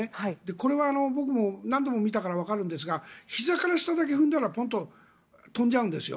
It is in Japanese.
これは僕も何度も見たからわかるんですがひざから下だけ踏んだらポンと飛んじゃうんですよ。